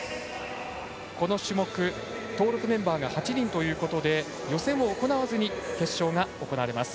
この種目、登録メンバーが８人ということで予選を行わずに決勝が行われます。